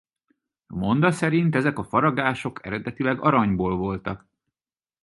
A monda szerint ezek a faragások eredetileg aranyból voltak.